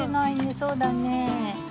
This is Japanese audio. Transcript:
そうだねえ。